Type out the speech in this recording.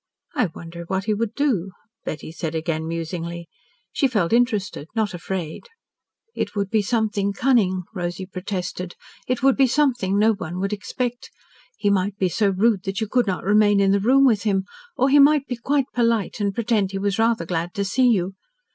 "I wonder what he would do?" Betty said again musingly. She felt interested, not afraid. "It would be something cunning," Rosy protested. "It would be something no one could expect. He might be so rude that you could not remain in the room with him, or he might be quite polite, and pretend he was rather glad to see you.